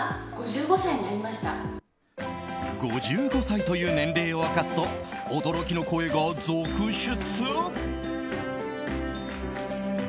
５５歳という年齢を明かすと驚きの声が続出。